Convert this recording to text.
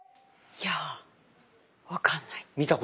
いや分かんない。